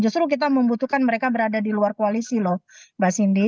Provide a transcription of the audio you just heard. justru kita membutuhkan mereka berada di luar koalisi loh mbak sindi